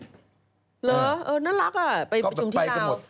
เหรอน่ารักอ่ะไปประชุมที่ลาวก็ไปกันหมด